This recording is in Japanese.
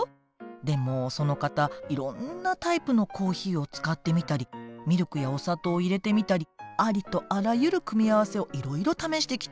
でもその方いろんなタイプのコーヒーを使ってみたりミルクやお砂糖を入れてみたりありとあらゆる組み合わせをいろいろ試してきたんですって。